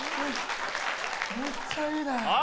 めっちゃいいなああ